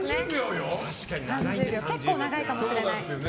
結構長いかもしれない。